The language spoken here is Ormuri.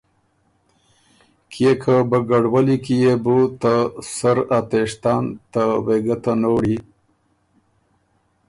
کيې که بګړولّي کی يې بو ته سر ا تېشتن ته وېګۀ ته نوړی